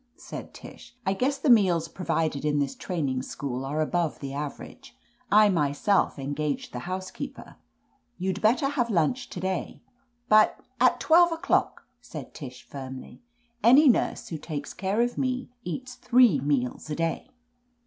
said Tish, *T guess the meals provided in this training school are above the average. I myself engaged the housekeeper. You'd better have lunch to day." "But—" "At twelve o'clock," said Tish firmly. "Any nurse who takes care of me eats three meals a day."